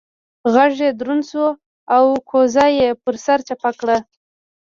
غږ يې دروند شو او کوزه يې پر سر چپه کړه.